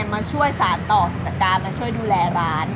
มาช่วยสารต่อกิจการมาช่วยดูแลร้าน